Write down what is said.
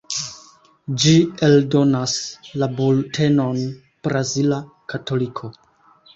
Ĝi eldonas la bultenon "Brazila Katoliko".